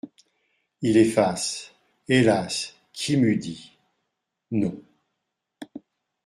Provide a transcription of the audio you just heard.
Il efface. "Hélas ! qui m’eût dit…" non.